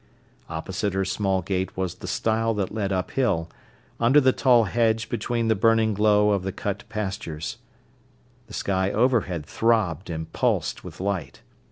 Opposite her small gate was the stile that led uphill, under the tall hedge between the burning glow of the cut pastures. The sky overhead throbbed and pulsed with light.